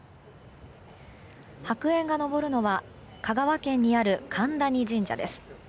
白煙が上るのは香川県にある神谷神社です。